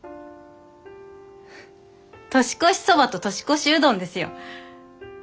年越しそばと年越しうどんですよ。